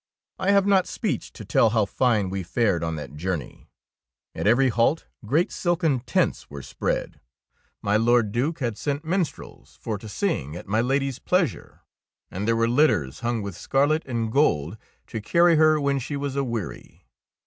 I have not speech to tell how fine we fared on that journey. At every halt great silken tents were spread, my Lord Due had sent minstrels for to sing at my Lady's pleasure, and there were litters hung with scarlet and gold to carry her when she was a weary.